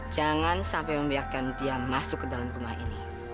jangan sampai membiarkan dia masuk ke dalam rumah ini